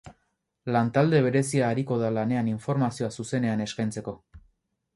Lantalde berezia ariko da lanean informazioa zuzenean eskaintzeko.